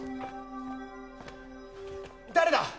誰だ！？